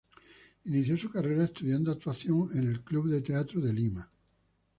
Inició su carrera estudiando actuación el Club de Teatro de Lima.